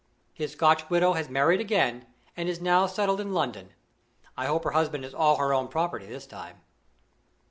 His Scotch widow has married again, and is now settled in London. I hope her husband is all her own property this time.